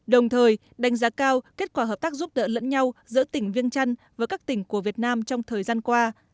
đồng thời đánh giá cao kết quả hợp tác giúp đỡ lẫn nhau giữa tỉnh viêng trăn với các tỉnh của việt nam trong thời gian qua